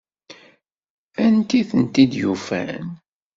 Anti ay tent-id-yufan?